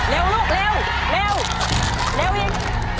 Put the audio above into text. เร็วลูกเร็วเร็วอีก